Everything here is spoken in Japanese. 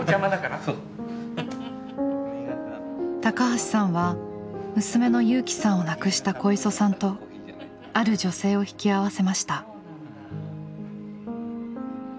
橋さんは娘の友紀さんを亡くした小磯さんとある女性を引き合わせました。